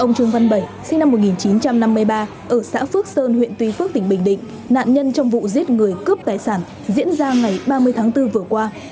ông trương văn bảy sinh năm một nghìn chín trăm năm mươi ba ở xã phước sơn huyện tuy phước tỉnh bình định nạn nhân trong vụ giết người cướp tài sản diễn ra ngày ba mươi tháng bốn vừa qua